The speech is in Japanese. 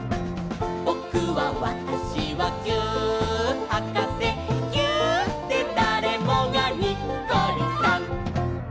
「ぼくはわたしはぎゅーっはかせ」「ぎゅーっでだれもがにっこりさん！」